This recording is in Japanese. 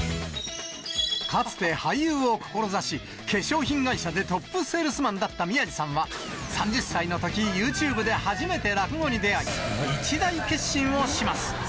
かつて俳優を志し、化粧品会社でトップセールスマンだった宮治さんは、３０歳のとき、ユーチューブで初めて落語に出会い、一大決心をします。